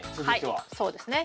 はいそうですね。